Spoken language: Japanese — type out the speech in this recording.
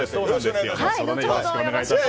よろしくお願いします。